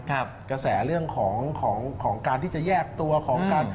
กระแสเรื่องของการที่จะแยกตัวของกัน